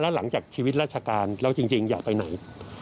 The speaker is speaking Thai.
หลังจากชีวิตราชการแล้วจริงอย่าไปไหน